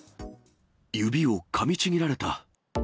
指をかみちぎられた。